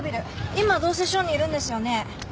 今どうせ署にいるんですよね？